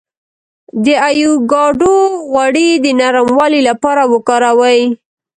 د ایوکاډو غوړي د نرموالي لپاره وکاروئ